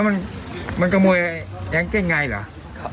อ่าอ่อแล้วมันกระมวยยั้งเก้นไงเหรอ